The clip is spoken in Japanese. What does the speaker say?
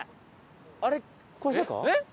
あれ？